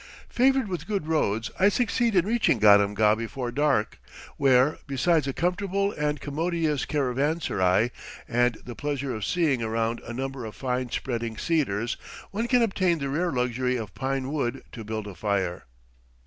Favored with good roads, I succeed in reaching Gadamgah before dark, where, besides a comfortable and commodious caravanserai, and the pleasure of seeing around a number of fine spreading cedars, one can obtain the rare luxury of pine wood to build a fire.